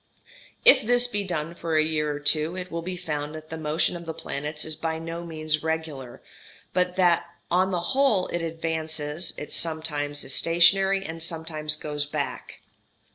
If this be done for a year or two, it will be found that the motion of the planet is by no means regular, but that though on the whole it advances it sometimes is stationary and sometimes goes back.